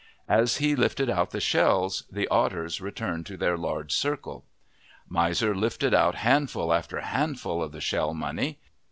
As he lifted out the shells, the otters returned to their larger circle. Miser lifted out handful after handful of the shell money.